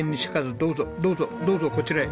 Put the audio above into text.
どうぞどうぞどうぞこちらへ。